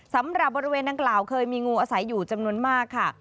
สำหรับบริเวณดังกล่าวเคยมีงูอาศัยอยู่จำนวนมากค่ะ